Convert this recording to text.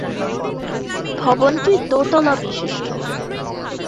ভবনটি দোতলা বিশিষ্ট।